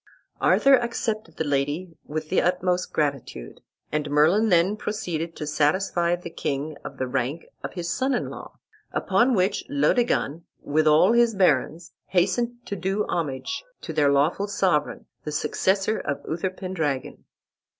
Arthur accepted the lady with the utmost gratitude, and Merlin then proceeded to satisfy the king of the rank of his son in law; upon which Laodegan, with all his barons, hastened to do homage to their lawful sovereign, the successor of Uther Pendragon.